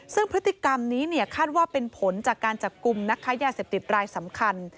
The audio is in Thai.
ซึ่งพฤติกรรมนี้คาดว่าเป็นผลจากการจับกลุ่มนักค้ายาเสพติดรายสำคัญ